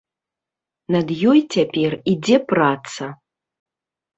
Над ёй цяпер ідзе праца.